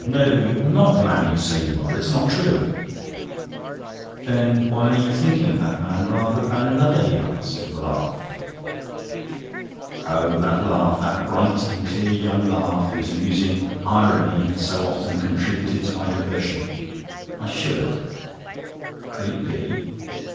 No, you're not the man you say you are—it's not true." "Then why are you thinking of that man rather than another?" he asked, with a laugh. Oh, that laugh! That bright and clear young laugh, whose amusing irony had so often contributed to my diversion! I shivered. Could it be?